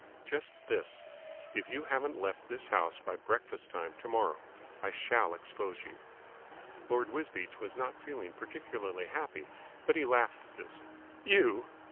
"Just this. If you haven't left this house by breakfast time to morrow, I shall expose you." Lord Wisbeach was not feeling particularly happy, but he laughed at this. "You!"